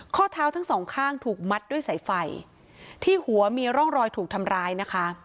ข้อเท้าทั้งสองข้างถูกมัดด้วยสายไฟที่หัวมีร่องรอยถูกทำร้ายนะคะ